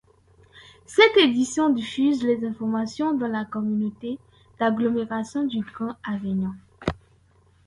Cette édition diffuse les informations dans la communauté d'agglomération du Grand Avignon.